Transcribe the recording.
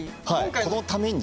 はいこのために。